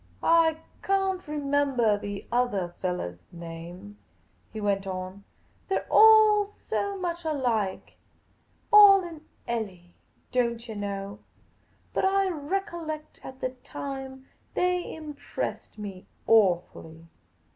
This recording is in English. " I can't remembah the othah fellahs' names," he went on ;they 're all so much alike ; all in clli, don't yah know ; but I recollect at the time they impressed me awfully."